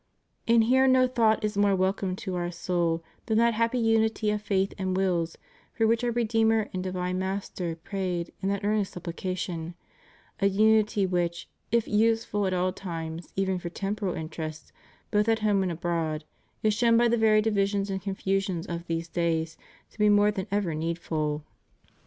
And here no thought is more welcome to Our soul than that happy unity of faith and wills for which our Redeemer and divine Master prayed in that earnest supplication — a unity which, if useful at all times even for temporal inter ests, both at home and abroad, is shown by the very divisions and confusions of these days to be more than ever needful.